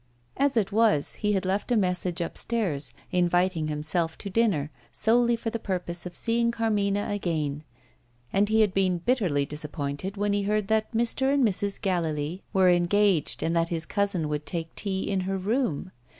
As it was, he had sent a message upstairs, inviting himself to dinner, solely for the purpose of seeing Carmina again and he had been bitterly disappointed when he heard that Mr. and Mrs. Gallilee were engaged, and that his cousin would take tea in her room.